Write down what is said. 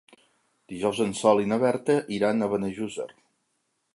Dijous en Sol i na Berta iran a Benejússer.